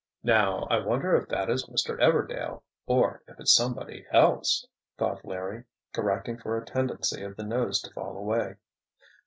"Now, I wonder if that is Mr. Everdail—or if it's somebody else?" thought Larry, correcting for a tendency of the nose to fall away.